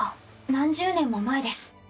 何十年も前です。